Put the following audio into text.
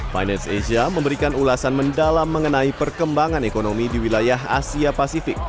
finance asia memberikan ulasan mendalam mengenai perkembangan ekonomi di wilayah asia pasifik